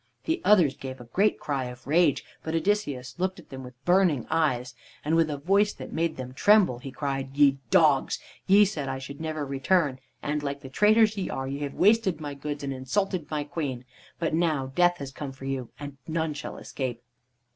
The others gave a great cry of rage, but Odysseus looked at them with burning eyes, and with a voice that made them tremble he cried: "Ye dogs! ye said I should never return, and, like the traitors ye are, ye have wasted my goods and insulted my queen. But now death has come for you, and none shall escape."